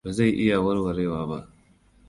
Ba zai iya warwarewa ba.